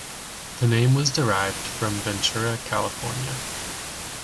The name was derived from Ventura, California.